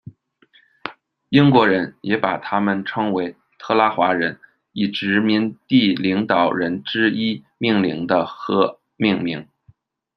英国人也把他们称为特拉华人，以殖民地领导人之一命名的河命名。